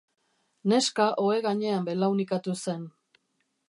Neska ohe gainean belaunikatu zen.